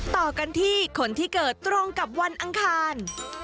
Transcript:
ต่อกันที่คนที่เกิดตรงกับวันอังคาร